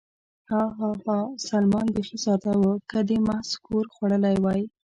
ها، ها، ها، سلمان بېخي ساده و، که دې محض ښور خوړلی وای.